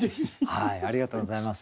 ありがとうございます。